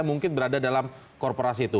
mungkin berada dalam korporasi itu